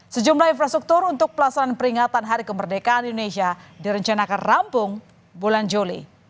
sejumlah infrastruktur untuk pelaksanaan peringatan hari kemerdekaan indonesia direncanakan rampung bulan juli